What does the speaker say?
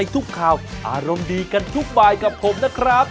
ทุกวันทุกบายกับผมนะครับ